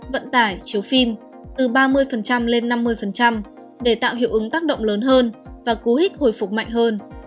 vận tải chiếu phim từ ba mươi lên năm mươi để tạo hiệu ứng tác động lớn hơn và cú hích hồi phục mạnh hơn